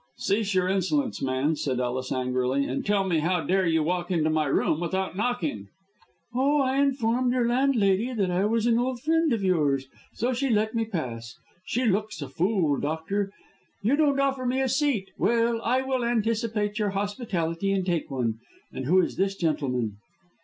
"Cease your insolence, man!" said Ellis, angrily, "and tell me how dare you walk into my room without knocking?" "Oh, I informed your landlady that I was an old friend of yours, so she let me pass. She looks a fool, doctor. You don't offer me a seat. Well, I will anticipate your hospitality and take one. And who is this gentleman?"